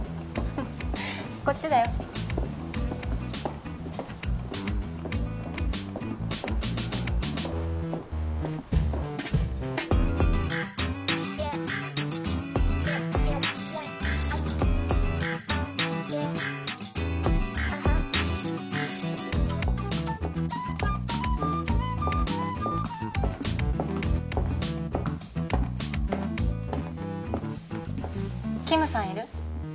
フッこっちだよキムさんいる？